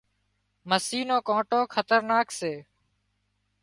مسِي نو ڪانٽو خطرناڪ سي